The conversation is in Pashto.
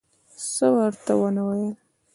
څه ورته ونه ویل.